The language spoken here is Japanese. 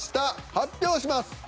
発表します。